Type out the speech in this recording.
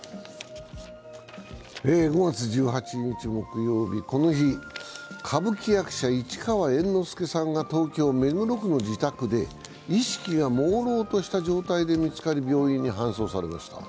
５月１８日木曜日、この日、歌舞伎役者、市川猿之助さんが東京・目黒区の自宅で意識がもうろうとした状態で見つかり、病院に搬送されました。